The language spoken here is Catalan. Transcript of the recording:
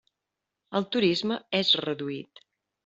El turisme és reduït.